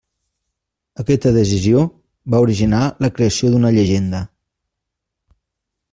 Aquesta decisió va originar la creació d'una llegenda.